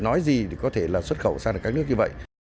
nói gì thì có thể là xuất khẩu sang các nước như vậy